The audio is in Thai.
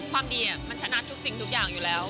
ความดีมันชนะทุกสิ่งทุกอย่างอยู่แล้ว